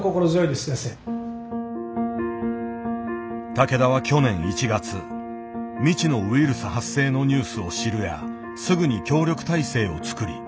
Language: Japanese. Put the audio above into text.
竹田は去年１月未知のウイルス発生のニュースを知るやすぐに協力体制をつくり